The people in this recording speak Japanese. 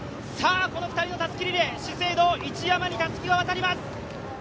この２人のたすきリレー、資生堂・一山にたすきが渡ります。